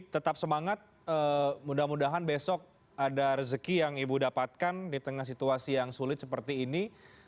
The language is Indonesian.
tetap semangat mudah mudahan besok ada rezeki yang ibu dapatkan di tengah situasi yang sulit seperti ini